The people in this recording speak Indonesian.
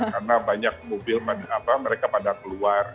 karena banyak mobil mereka pada keluar gitu